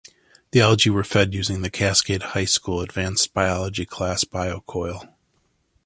The algae were fed using the Cascade High School Advanced Biology Class Biocoil.